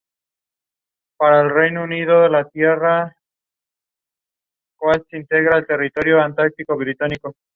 Ganó Premios Juno como Álbum Pop del Año y Álbum del Año.